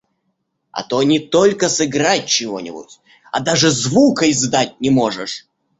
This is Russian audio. А то, не только сыграть чего-нибудь, а даже звука издать не можешь!